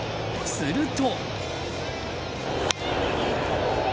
すると。